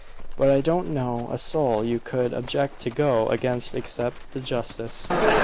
"But I don't know a soul you could object to go against except the justice.